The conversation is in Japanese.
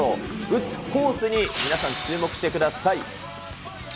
打つコースに皆さん、注目してください。